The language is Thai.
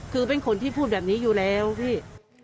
คือเป็นคนที่พูดแบบนี้อยู่แล้วพี่